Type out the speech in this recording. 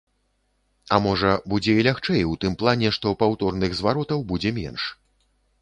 А можа, будзе і лягчэй у тым плане, што паўторных зваротаў будзе менш.